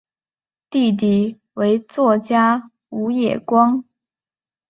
弟弟为作家武野光。